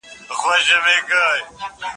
کېدای سي چايي یخي وي.